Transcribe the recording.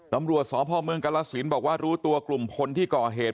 ตำรวจสพเมืองกรสินบอกว่ารู้ตัวกลุ่มคนที่ก่อเหตุ